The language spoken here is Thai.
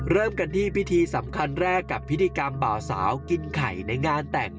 เริ่มกันที่พิธีสำคัญแรกกับพิธีกรรมบ่าวสาวกินไข่ในงานแต่ง